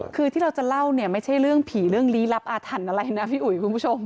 คือที่เราจะเล่าเนี่ยไม่ใช่เรื่องผีเรื่องลี้ลับอาถรรพ์อะไรนะพี่อุ๋ยคุณผู้ชม